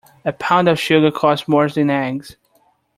A pound of sugar costs more than eggs.